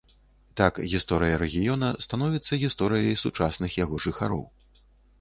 Так гісторыя рэгіёна становіцца гісторыяй сучасных яго жыхароў.